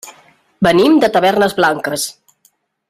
Venim de Tavernes Blanques.